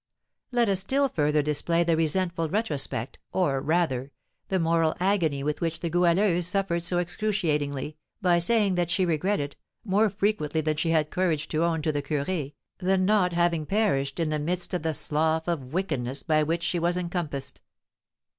Let us still further display the resentful retrospect, or, rather, the moral agony with which the Goualeuse suffered so excruciatingly, by saying that she regretted, more frequently than she had courage to own to the curé, the not having perished in the midst of the slough of wickedness by which she was encompassed.